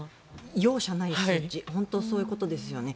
本当にそういうことですよね。